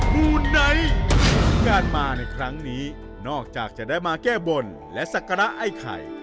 มูไนท์การมาในครั้งนี้นอกจากจะได้มาแก้บนและศักระไอ้ไข่